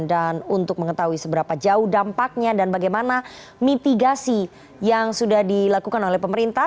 dan untuk mengetahui seberapa jauh dampaknya dan bagaimana mitigasi yang sudah dilakukan oleh pemerintah